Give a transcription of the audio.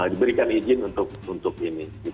diberikan izin untuk ini